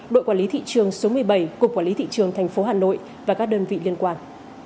đội quản lý thị trường số một mươi bảy cục quản lý thị trường tp hà nội và các đơn vị liên quan